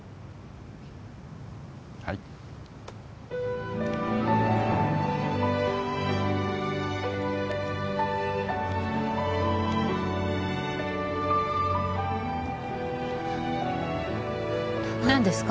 はい何ですか？